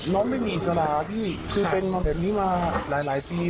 น้องไม่มีอิสระพี่คือเป็นมาแบบนี้มาหลายปี